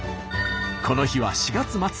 この日は４月末。